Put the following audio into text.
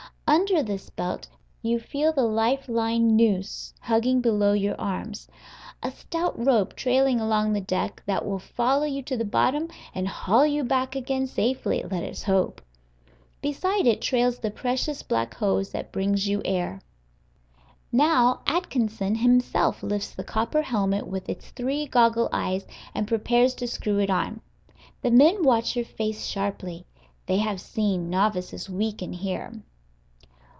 Under this belt you feel the life line noose hugging below your arms, a stout rope trailing along the deck, that will follow you to the bottom, and haul you back again safely, let us hope. Beside it trails the precious black hose that brings you air. Now Atkinson himself lifts the copper helmet with its three goggle eyes, and prepares to screw it on. The men watch your face sharply; they have seen novices weaken here.